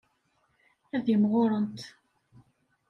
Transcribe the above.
Ad imɣurent.